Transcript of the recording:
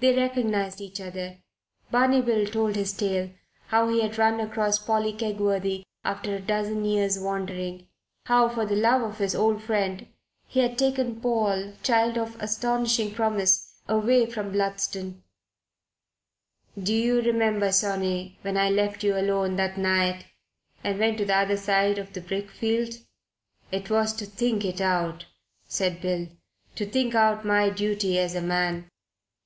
They recognized each other. Barney Bill told his tale: how he had run across Polly Kegworthy after a dozen years' wandering; how, for love of his old friend, he had taken Paul, child of astonishing promise, away from Bludston "Do you remember, sonny, when I left you alone that night and went to the other side of the brickfield? It was to think it out," said Bill. "To think out my duty as a man."